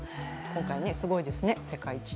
今回ね、すごいですね、世界一。